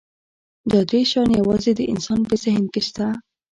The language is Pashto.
دا درې شیان یواځې د انسان په ذهن کې شته.